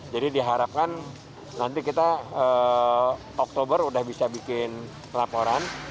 jadi diharapkan nanti kita oktober sudah bisa bikin laporan